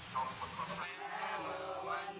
แทนแม่ว่าวันนี้เธอจะอยู่แทนกาย